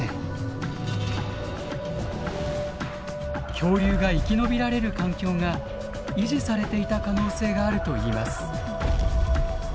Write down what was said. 恐竜が生き延びられる環境が維持されていた可能性があるといいます。